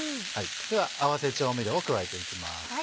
では合わせ調味料を加えていきます。